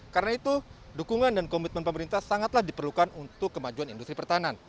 karena itu dukungan dan komitmen pemerintah sangatlah diperlukan untuk kemajuan industri pertahanan